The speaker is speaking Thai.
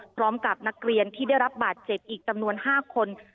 พร้อมกับนักเรียนที่ได้รับบาดเจ็บอีกจำนวน๕คน